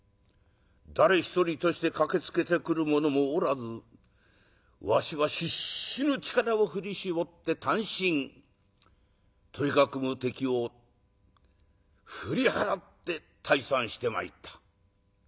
誰一人として駆けつけてくる者もおらずわしは必死の力を振り絞って単身取り囲む敵を振り払って退散してまいった」。